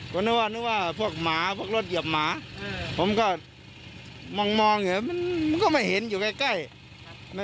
ผมนึกว่านึกว่าพวกหมาพวกรถเหยียบหมาผมก็มองอยู่มันก็ไม่เห็นอยู่ใกล้